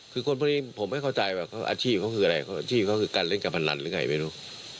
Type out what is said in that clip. คือคนพวกนี้ผมไม่เข้าใจว่าอาชีพเขาคืออะไรอาชีพเขาคือการเล่นการพนันหรือไงไม่รู้